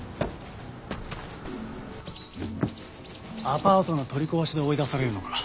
アパートの取り壊しで追い出されるのか。